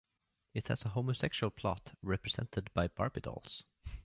It has a homosexual plot, represented by Barbie dolls.